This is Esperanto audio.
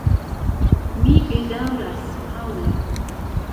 Mi bedaŭras, Paŭla.